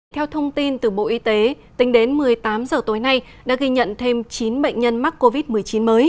theo thông tin từ bộ y tế tính đến một mươi tám h tối nay đã ghi nhận thêm chín bệnh nhân mắc covid một mươi chín mới